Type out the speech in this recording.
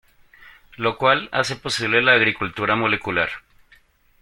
Lo cual hace posible la agricultura molecular.